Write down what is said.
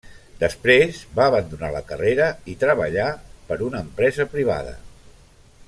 Després va abandonar la carrera i treballar per a una empresa privada.